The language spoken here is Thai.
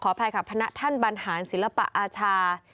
ขออภัยค่ะพนักท่านบรรหารศิลปอาชา